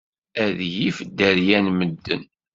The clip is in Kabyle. Ad yif dderya n medden.